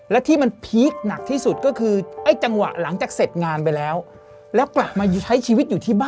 และที่มันพีคหนักที่สุดก็คือจังหวะหลังจากเสร็จงานไปแล้ว